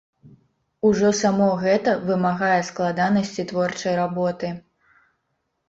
Ужо само гэта вымагае складанасці творчай работы.